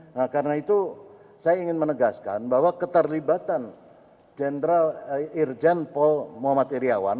nah karena itu saya ingin menegaskan bahwa keterlibatan jenderal irjen paul muhammad iryawan